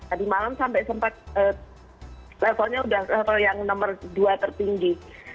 tadi malam sampai sempat levelnya sudah level yang nomor dua tertinggi